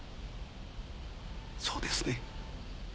そうですね？